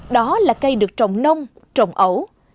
đó là cây được trồng nông trồng ấu